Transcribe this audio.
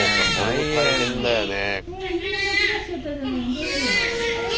大変だよね。